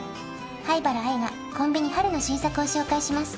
灰原哀がコンビニ、春の新作を紹介します。